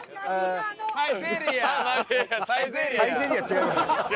サイゼリヤは違います。